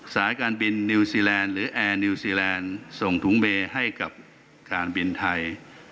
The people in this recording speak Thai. สายการบินนิวซีแลนด์หรือแอร์นิวซีแลนด์ส่งถุงเบย์ให้กับการบินไทย